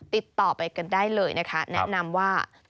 ติดต่อไปกันได้เลยนะคะแนะนำว่า